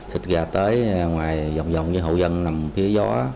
xịt ra tới ngoài dòng dòng như hậu dân nằm phía gió